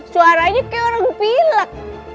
suaranya kayak orang pilek